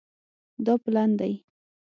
دا پلن دی